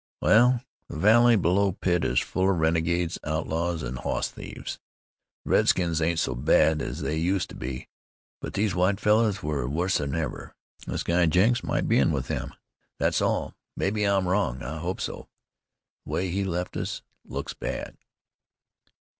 "Wal, the valley below Pitt is full of renegades, outlaws an' hoss thieves. The redskins ain't so bad as they used to be, but these white fellers are wusser'n ever. This guide Jenks might be in with them, that's all. Mebbe I'm wrong. I hope so. The way he left us looks bad."